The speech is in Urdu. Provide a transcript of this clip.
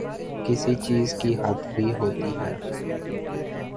کسی چیز کی حد بھی ہوتی ہے۔